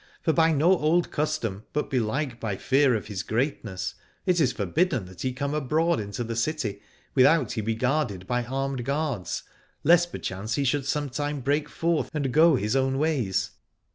For by no old custom, but belike by fear of his greatness, it is forbidden that he come abroad into the city without he be guarded by armed guards, lest perchance he should some time break forth and go his own ways.